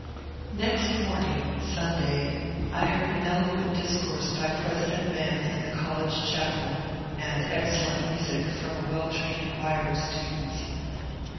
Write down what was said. Next morning (Sunday) I heard an eloquent discourse by President Mann in the college chapel, and excellent music from a well trained choir of students.